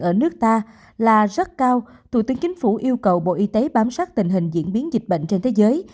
ở nước ta là rất cao thủ tướng chính phủ yêu cầu bộ y tế bám sát tình hình diễn biến dịch bệnh trên thế giới